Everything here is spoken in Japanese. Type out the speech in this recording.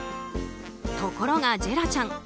ところがジェラちゃん